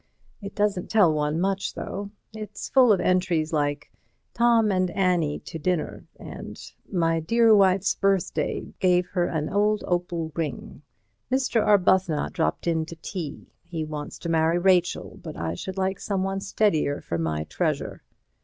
It doesn't tell one much, though. It's full of entries like: 'Tom and Annie to dinner'; and 'My dear wife's birthday; gave her an old opal ring'; 'Mr. Arbuthnot dropped in to tea; he wants to marry Rachel, but I should like someone steadier for my treasure.'